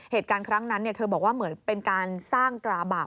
เหตุการณ์ครั้งนั้นเธอบอกว่าเหมือนเป็นการสร้างตราบาป